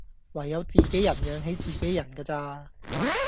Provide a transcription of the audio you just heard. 唯有自己人養起自己人架咋